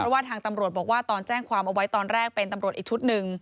ว่าทางตำรวจบอกว่าตอนแจ้งความเอาไว้ตอนแรกเป็นตำรวจอีกชุดหนึ่ง